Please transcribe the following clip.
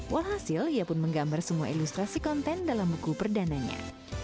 walhasil ia pun menggambar semua ilustrasi konten dalam buku perdananya